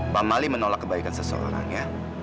pak mali menolak kebaikan seseorang ya